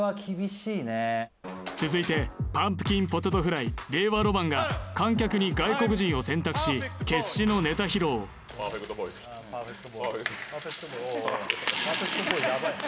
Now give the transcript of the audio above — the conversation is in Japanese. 続いてパンプキンポテトフライ令和ロマンが観客に外国人を選択し決死のネタ披露ＰｅｒｆｅｃｔＰｅｒｆｅｃｔ